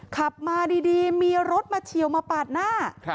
ขับมาดีมีรถมาเฉียวมาปาดหน้า